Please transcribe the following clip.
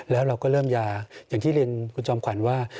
แล้วเราก็เริ่มยาอย่างที่เรียนคุณจอมขวัญว่า